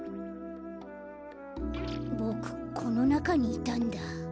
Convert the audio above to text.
ボクこのなかにいたんだ。